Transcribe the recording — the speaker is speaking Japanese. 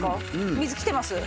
水来てます？